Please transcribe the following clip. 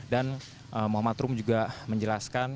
dan muhammad rum juga menjelaskan